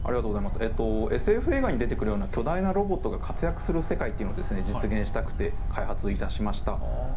ＳＦ映画に出てくるような巨大なロボットが活躍する世界を実現したくて開発しました。